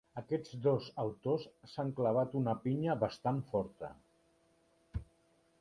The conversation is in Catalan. Aquests dos autos s'han clavat una pinya bastant forta.